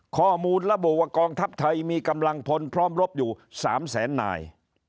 ข้อมูลระบุว่ากองทัพไทยมีกำลังพลพร้อมรบอยู่๓แสนนาย